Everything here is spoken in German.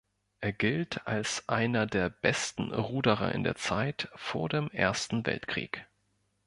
Er gilt als einer der besten Ruderer in der Zeit vor dem Ersten Weltkrieg.